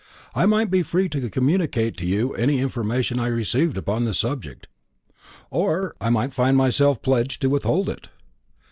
I might be free to communicate to you any information I received upon this subject or I might find myself pledged to withhold it."